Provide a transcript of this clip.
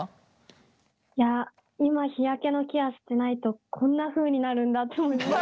今日焼けのケアしてないとこんなふうになるんだって。